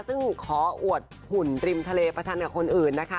ซึ่งขออวดหุ่นริมทะเลประชันกับคนอื่นนะคะ